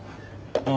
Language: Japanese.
ああ。